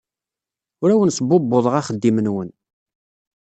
Ur awen-sbubbuḍeɣ axeddim-nwen.